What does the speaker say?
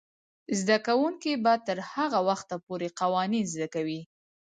زده کوونکې به تر هغه وخته پورې قوانین زده کوي.